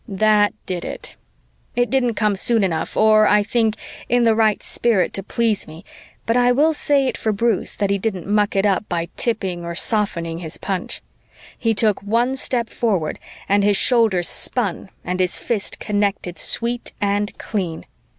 That did it. It didn't come soon enough or, I think, in the right spirit to please me, but I will say it for Bruce that he didn't muck it up by tipping or softening his punch. He took one step forward and his shoulders spun and his fist connected sweet and clean.